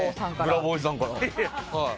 ブラボーおじさんから。